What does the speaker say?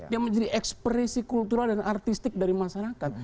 yang menjadi ekspresi kultural dan artistik dari masyarakat